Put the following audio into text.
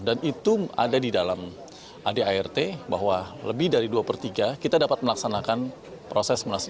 dan itu ada di dalam adart bahwa lebih dari dua per tiga kita dapat melaksanakan proses munaslup